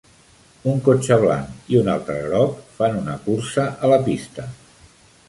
Un cotxe blanc i un altre groc fan una cursa a la pista.